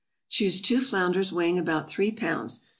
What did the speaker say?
= Choose two flounders weighing about three pounds.